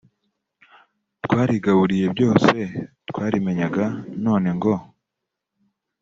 twarigaburiye byose twarimenyaga none ngo